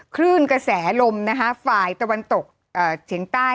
ขึ้นกระแสลมฟ้าตะวันตกเทียงใต้